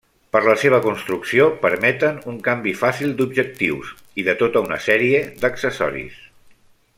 Per la seva construcció permeten un canvi fàcil d'objectius i de tota una sèrie d'accessoris.